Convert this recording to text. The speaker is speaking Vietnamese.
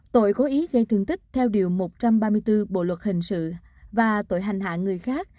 tội cố ý gây thương tích theo điều một trăm ba mươi bốn bộ luật hình sự và tội hành hạ người khác